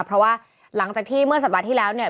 เพราะว่าหลังจากที่เมื่อสัปดาห์ที่แล้วเนี่ย